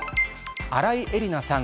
新井恵理那さん